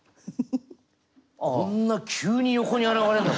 こんな急に横に現れんの！